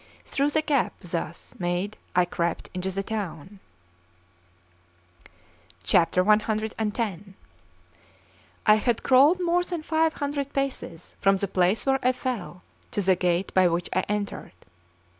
Through the gap thus made I crept into the town. CX I HAD crawled more than five hundred paces from the place where I fell, to the gate by which I entered.